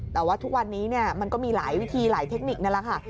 แต่ว่าทุกวันนี้มันก็มีหลายวิธีหลายเทคนิคนั่นแหละค่ะ